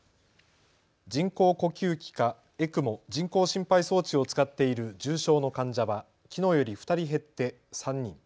人工呼吸器かＥＣＭＯ・人工心肺装置を使っている重症の患者はきのうより２人減って３人。